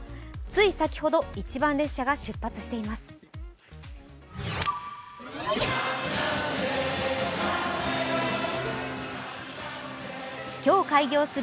つい先ほど一番列車が出発しています。